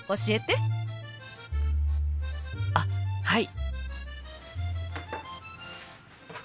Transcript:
あっはい。